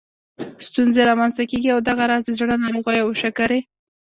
ستونزې رامنځته کېږي او دغه راز د زړه ناروغیو او شکرې